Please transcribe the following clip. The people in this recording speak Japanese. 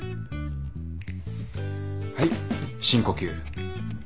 はい深呼吸。